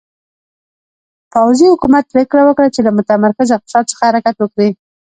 پوځي حکومت پرېکړه وکړه چې له متمرکز اقتصاد څخه حرکت وکړي.